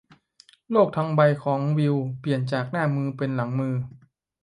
โลกทั้งใบของวิลเปลี่ยนจากหน้ามือเป็นหลังมือ